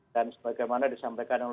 dan sebagaimana disampaikan